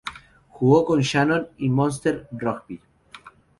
Jugó con Shannon y Munster Rugby.